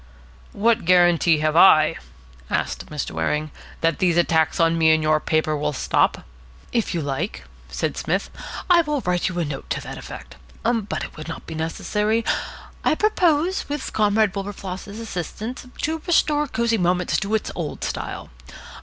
"What guarantee have I," asked Mr. Waring, "that these attacks on me in your paper will stop?" "If you like," said Psmith, "I will write you a note to that effect. But it will not be necessary. I propose, with Comrade Wilberfloss's assistance, to restore Cosy Moments to its old style.